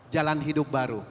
jalan hidup baru